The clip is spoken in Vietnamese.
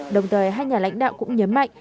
đồng thời hai nhà lãnh đạo cũng nhấn mạnh